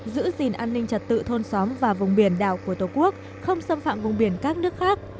giữ gìn an ninh trật tự thôn xóm và vùng biển đảo của tổ quốc không xâm phạm vùng biển các nước khác